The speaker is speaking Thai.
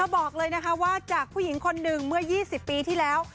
บอกเลยนะคะว่าจากผู้หญิงคนหนึ่งเมื่อ๒๐ปีที่แล้ว